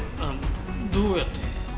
あどうやって？